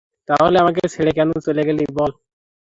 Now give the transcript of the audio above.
তাহলে আমাকে ছেড়ে কেন চলে গেলি বল?